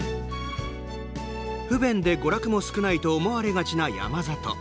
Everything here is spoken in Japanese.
不便で、娯楽も少ないと思われがちな山里。